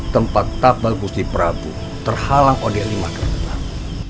tempat tabal gusiprabu terhalang oleh lima gerbang